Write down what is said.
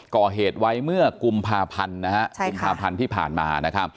ก่อเหตุไว้เมื่อกลุ่มภาพันธ์ที่ผ่านมา